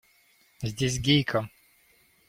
Здесь Гейка!